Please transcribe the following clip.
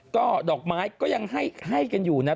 ก็ดอกไม้ก็ยังให้กันอยู่นะ